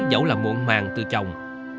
dẫu là muộn màng từ chồng